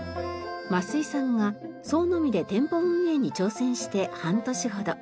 桝井さんが創の実で店舗運営に挑戦して半年ほど。